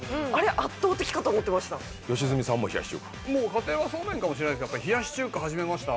家庭はそうめんかもしれないけど「冷やし中華始めました」